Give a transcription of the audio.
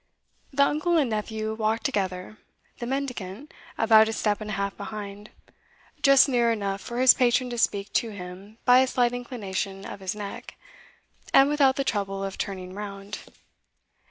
The uncle and nephew walked together, the mendicant about a step and a half behind, just near enough for his patron to speak to him by a slight inclination of his neck, and without the trouble of turning round.